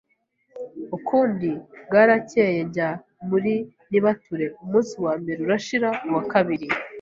ukundi, bwaracyeye njya muri nibature, umunsi wa mbere urashira, uwa kabiri